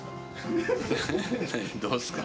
どうっすか？